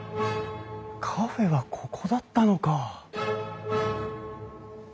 カフェはここだったのか。